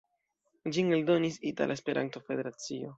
Ĝin eldonis Itala Esperanto-Federacio.